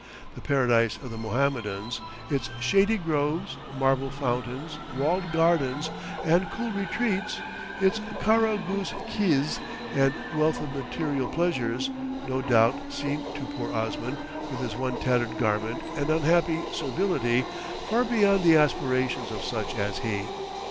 The paradise of the Mohammedans, its shady groves, marble fountains, walled gardens, and cool retreats, its kara ghuz kiz and wealth of material pleasures, no doubt seem to poor Osman, with his one tattered garment and unhappy servility, far beyond the aspirations of such as he.